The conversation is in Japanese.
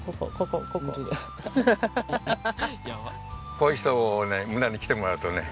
こういう人をね村に来てもらうとね